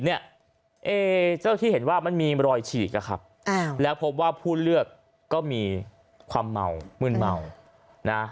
เจ้าหน้าที่เห็นว่ามันมีรอยฉีกอะครับแล้วพบว่าผู้เลือกก็มีความเมามืนเมานะ